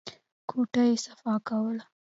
کوټه يې صفا کوله.